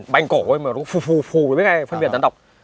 bành cổ ấy mà nó cũng phù phù phù với cái phân biệt rắn độc